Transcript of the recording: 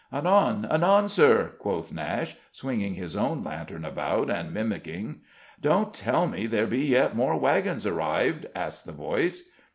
"Anon, anon, Sir," quoted Nashe, swinging his own lantern about and mimicking. "Don't tell me there be yet more wagons arrived?" asked the voice.